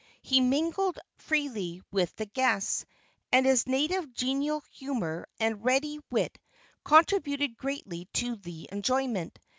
He mingled freely with the guests, and his native genial humor and ready wit contributed greatly to the enjoyment.